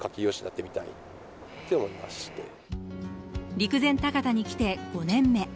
陸前高田に来て５年目。